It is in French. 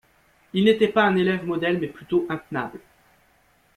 Il n’était pas un élève modèle mais plutôt intenable.